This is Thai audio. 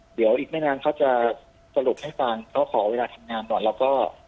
เดี๋ยวอีกไม่นานเขาจะสรุปให้ฟังเขาขอเวลาทำงานก่อนแล้วก็